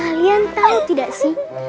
kalian tahu tidak sih